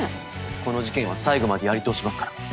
この事件は最後までやり通しますから。